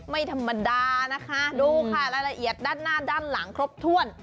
ไม่ธรรมดานะคะดูค่ะรายละเอียดด้านหน้าด้านหลังครบถ้วน